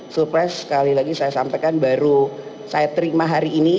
surprise sekali lagi saya sampaikan baru saya terima hari ini